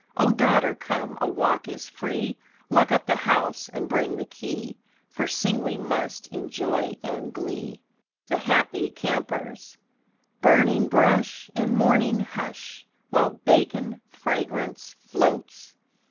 O Daughter come, a walk is free, Lock up the house and bring the key; For sing we must in joy and glee. THE HAPPY CAMPERS Burning brush In morning hush While bacon fragrance floats.